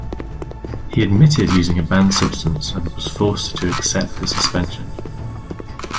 He admitted using a banned substance and was forced to accept the suspension.